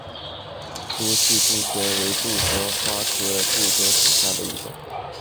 多趣杜鹃为杜鹃花科杜鹃属下的一个种。